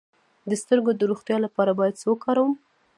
د سترګو د روغتیا لپاره باید څه وکاروم؟